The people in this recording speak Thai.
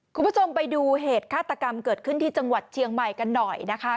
คุณผู้ชมไปดูเหตุฆาตกรรมเกิดขึ้นที่จังหวัดเชียงใหม่กันหน่อยนะคะ